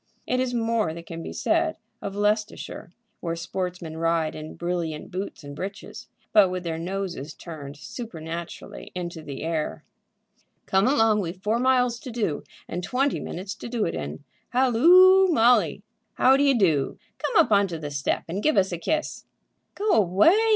It is more than can be said of Leicestershire, where sportsmen ride in brilliant boots and breeches, but with their noses turned supernaturally into the air. "Come along; we've four miles to do, and twenty minutes to do it in. Halloo, Molly, how d'ye do? Come up on to the step and give us a kiss." "Go away!"